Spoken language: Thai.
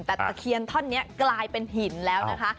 แต่ตะเคียนท่อนนี้กลายเป็นหินแล้วนะคะ